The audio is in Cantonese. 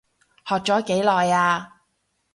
學咗幾耐啊？